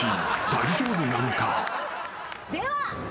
［大丈夫なのか？］